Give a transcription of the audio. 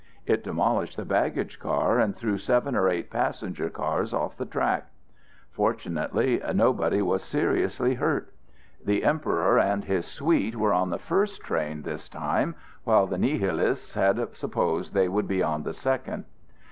It demolished the baggage car and threw seven or eight passenger cars off the track. Fortunately nobody was seriously hurt. The Emperor and his suite were on the first train this time, while the Nihilists had supposed they would be on the second.